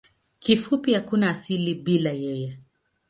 Kifupi hakuna asili bila yeye.